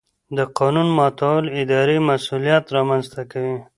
د قانون ماتول اداري مسؤلیت رامنځته کوي.